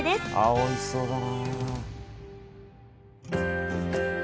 おいしそうだな。